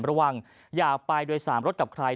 ระหว่างอยากไปโดยสามรถกับใคร